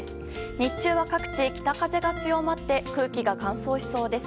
日中は各地、北風が強まって空気が乾燥しそうです。